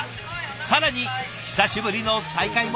更に久しぶりの再会も。